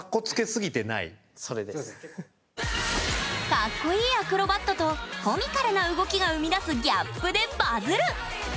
かっこいいアクロバットとコミカルな動きが生みだすギャップでバズる！